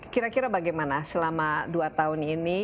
kira kira bagaimana selama dua tahun ini